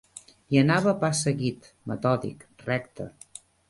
Hi anava a pas seguit, metòdic, recte